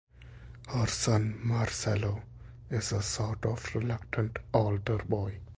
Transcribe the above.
Her son, Marcello, is a sort of reluctant altar boy.